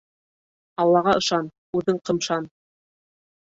Аллаға ышан, үҙең ҡымшан.